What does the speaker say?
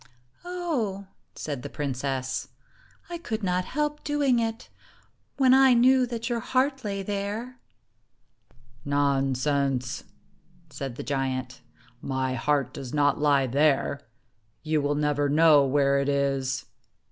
"Oh," said the princess, "I could not help doing it, when I knew that your heart lay there." " Nonsense !" said the giant. " My heart does not lie there. You will never know where it is."